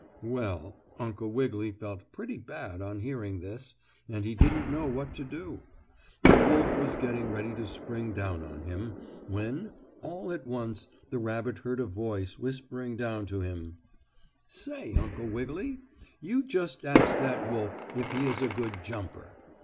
Well, Uncle Wiggily felt pretty bad on hearing this, and he didn't know what to do. The wolf was getting ready to spring down on him, when, all at once the rabbit heard a voice whispering down to him: "Say, Uncle Wiggily, you just ask that wolf if he is a good jumper.